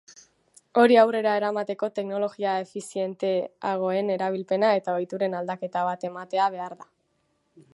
Hori aurrera eramateko teknologia efizienteagoen erabilpena eta ohituren aldaketa bat ematea behar da.